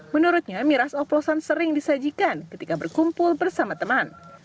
menurutnya miras oplosan sering disajikan ketika berkumpul bersama teman